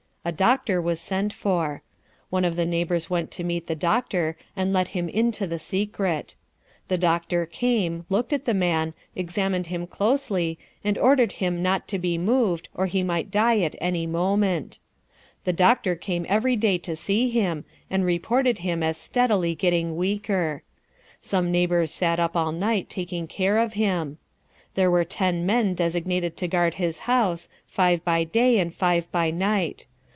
A doctor was sent for. One of the neighbors went to meet the doctor, and let him into the secret. The doctor came, looked at the man, examined him closely, and ordered him not to be moved or he might die at any moment. The doctor came every day to see him, and reported him as steadily getting weaker. Some neighbors sat up all night taking care of him. There were ten men designated to guard his house, five by day and five by night.